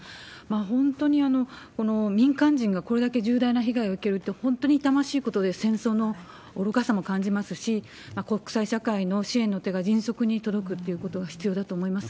本当に民間人がこれだけ重大な被害を受けるって、本当に痛ましいことで、戦争の愚かさも感じますし、国際社会の支援の手が迅速に届くっていうことが必要だと思います。